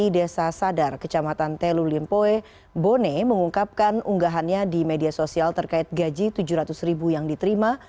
di desa sadar kecamatan telu limpoe bone mengungkapkan unggahannya di media sosial terkait gaji rp tujuh ratus yang diterima